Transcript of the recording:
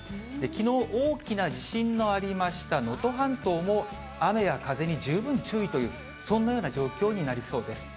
きのう、大きな地震のありました能登半島も、雨や風に十分注意という、そんなような状況になりそうです。